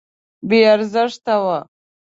بې ارزښته وه.